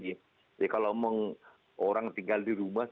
jadi kalau orang tinggal di rumah